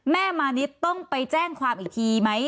มานิดต้องไปแจ้งความอีกทีไหม